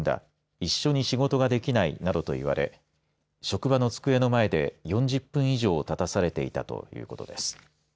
一緒に仕事ができないなどと言われ職場の机の前で４０分以上立たされていたということです。